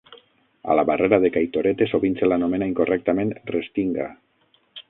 A la barrera de Kaitorete sovint se l'anomena incorrectament restinga.